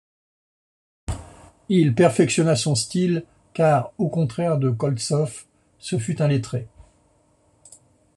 Il perfectionna son style, car, au contraire de Koltsov, ce fut un lettré.